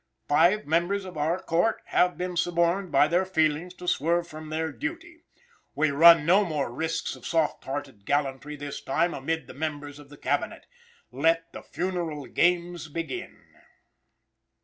"Five members of our court have been suborned by their feelings to swerve from their duty. We run no more risks of soft hearted gallantry this time amid the members of the Cabinet. Let the funeral games begin."